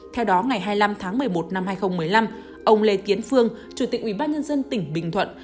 theo đó ngày hai mươi năm tháng một mươi một năm hai nghìn một mươi năm ông lê tiến phương chủ tịch ủy ban nhân dân tỉnh bình thuận